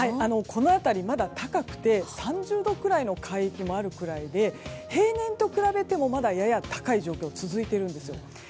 この辺り、まだ高くて３０度くらいの海域もあるくらいで平年と比べてもまだ、やや高い状況が続いているんです。